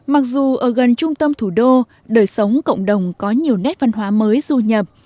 mặc dù ở gần trung tâm thủ đô đời sống cộng đồng có nhiều nét văn hóa mới du nhập